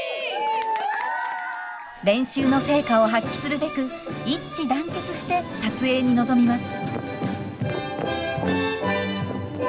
練習の成果を発揮するべく一致団結して撮影に臨みます。